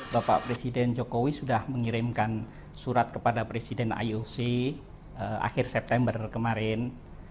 bapak presiden jokowi sudah mengirimkan surat kepada presiden ioc akhir september kemarin